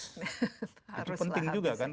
itu penting juga kan